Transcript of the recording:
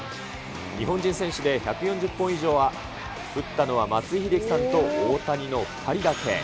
日本人選手で１４０本以上打ったのは松井秀喜さんと大谷の２人だけ。